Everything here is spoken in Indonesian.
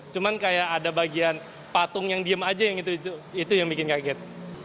cuma ada bagian patung yang diam saja itu yang bikin kaget